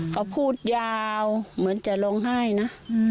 เขาพูดยาวเหมือนจะร้องไห้นะ